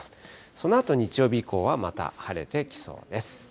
そのあと日曜日以降はまた晴れてきそうです。